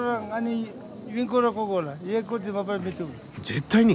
絶対に。